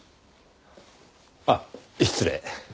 あっ失礼。